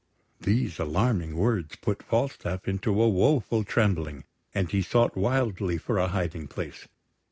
These alarming words put Falstaff into a woeful trembling, and he sought wildly for a hiding place.